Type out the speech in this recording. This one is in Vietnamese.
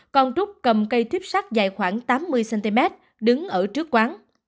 còn trúc cầm cây tuyếp sắt dài khoảng tám mươi cm đứng ở trước quán